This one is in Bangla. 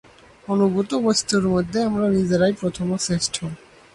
অনুভূত বস্তুর মধ্যে আমরা নিজেরাই প্রথম ও শ্রেষ্ঠ।